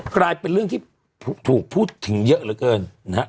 กลายเป็นเรื่องที่ถูกพูดถึงเยอะเหลือเกินนะฮะ